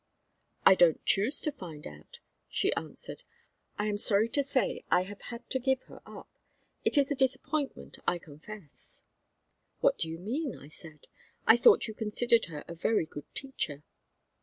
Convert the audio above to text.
"I don't choose to find out," she answered. "I am sorry to say I have had to give her up. It is a disappointment, I confess." "What do you mean?" I said. "I thought you considered her a very good teacher."